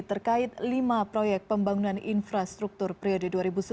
terkait lima proyek pembangunan infrastruktur periode dua ribu sembilan